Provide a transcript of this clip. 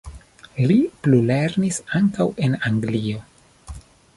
Li plulernis ankaŭ en Anglio.